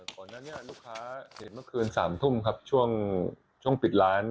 ตอนนั้นเนี่ยลูกค้าเห็นเมื่อคืน๓ทุ่มครับช่วงปิดร้าน